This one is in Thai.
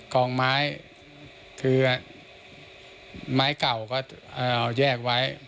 กองไม้คือไม้เก่าก็แยกไว้